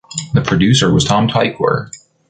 The producer was Tom Tykwer.